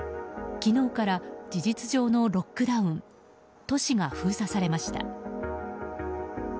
昨日から事実上のロックダウン都市が封鎖されました。